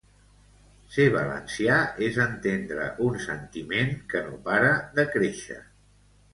Ser valencià és entendre un sentiment que no para de créixer.